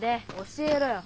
教えろよ。